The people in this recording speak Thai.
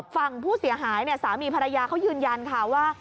ฝั่งผู้เสียหายเนี่ยสามีภรรยาเขายืนยันค่ะว่า